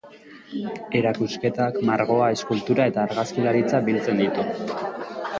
Erakusketak, margoa, eskultura eta argazkilaritza biltzen ditu.